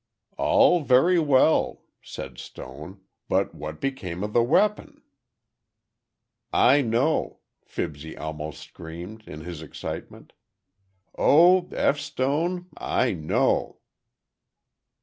"All very well," said Stone, "but what became of the weapon?" "I know," Fibsy almost screamed, in his excitement. "Oh, F. Stone—I know!"